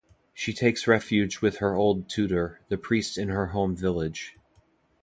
She takes refuge with her old tutor, the priest in her home village.